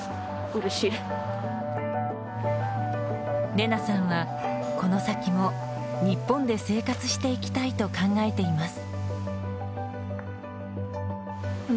レナさんはこの先も日本で生活していきたいと考えています。